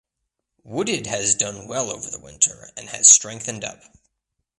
Wooded has done well over the winter and has strengthened up.